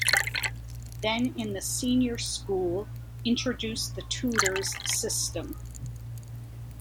Then in the Senior School introduce the Tutors system.